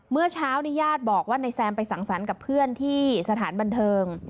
เมื่อเช้านี้ญาติบอกว่านายแซมไปสั่งสรรค์กับเพื่อนที่สถานบันเทิง